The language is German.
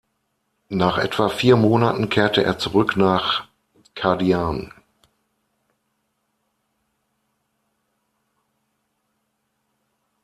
Nach etwa vier Monaten kehrte er zurück nach Qadian.